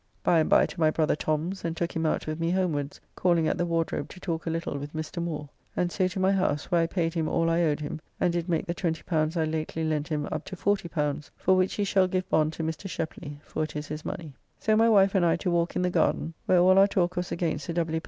By and by to my brother Tom's and took him out with me homewards (calling at the Wardrobe to talk a little with Mr. Moore), and so to my house, where I paid him all I owed him, and did make the L20 I lately lent him up to L40, for which he shall give bond to Mr. Shepley, for it is his money. So my wife and I to walk in the garden, where all our talk was against Sir W.